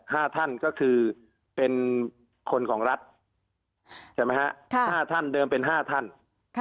ห้าท่านก็คือเป็นคนของรัฐใช่ไหมฮะค่ะห้าท่านเดิมเป็นห้าท่านค่ะ